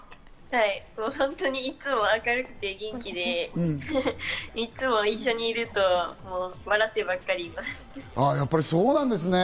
はい、本当にいつも明るくて元気で、いつも一緒にいると笑ってばかりです。